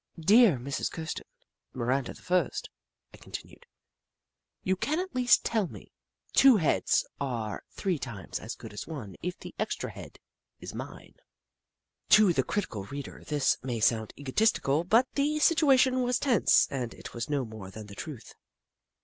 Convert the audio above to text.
" Dear Mrs. Kirsten, Miranda the First," I continued, "you can at least tell me. Two heads are three times as good as one if the ex tra head is mine." To the critical reader this may sound egotistical, but the situation was tense, and it was no more than the truth.